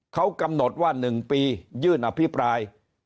เขากำหนดว่า๑ปียื่นอภิปราย